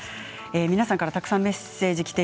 皆さんからたくさんメッセージです。